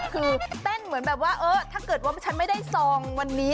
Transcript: คือเต้นเหมือนแบบว่าเออถ้าเกิดว่าฉันไม่ได้ซองวันนี้